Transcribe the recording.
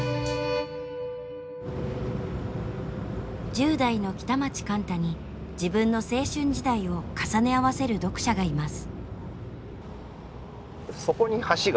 １０代の北町貫多に自分の青春時代を重ね合わせる読者がいます。